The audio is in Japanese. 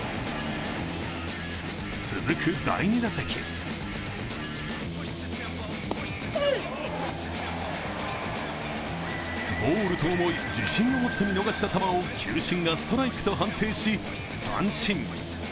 続く第２打席ボールと思い、自信を持って見逃した球を球審がストライクと判定し三振。